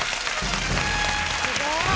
すごーい！